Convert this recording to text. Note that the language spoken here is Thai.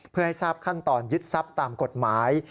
เพื่อให้ทราบขั้นตอนยึดทรัพย์ตามกฎหมาย